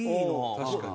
確かに。